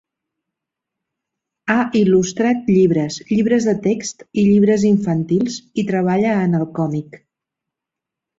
Ha il·lustrat llibres, llibres de text i llibres infantils i treballa en el còmic.